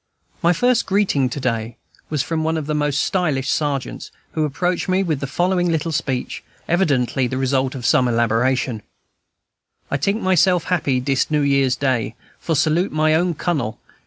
My first greeting to day was from one of the most stylish sergeants, who approached me with the following little speech, evidently the result of some elaboration: "I tink myself happy, dis New Year's Day, for salute my own Cunnel.